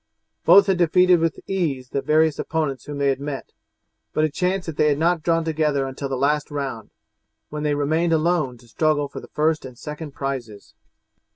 Both had defeated with ease the various opponents whom they had met, but it chanced that they had not drawn together until the last round, when they remained alone to struggle for the first and second prizes.